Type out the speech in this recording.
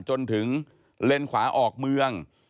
จนถึงเลนส์ขวาออกเมือง